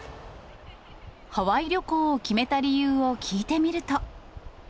ハワイ旅行を決めた理由を聞いてみると。